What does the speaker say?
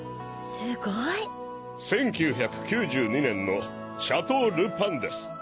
すごい！１９９２年のシャトー・ル・パンです。